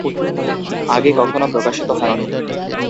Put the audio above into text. আগে কখনো প্রকাশিত হয়নি!